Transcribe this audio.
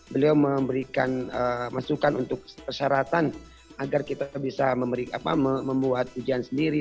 beliau memberikan masukan untuk persyaratan agar kita bisa membuat ujian sendiri